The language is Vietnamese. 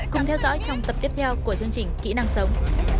cùng theo dõi trong tập tiếp theo của chương trình kỹ năng sống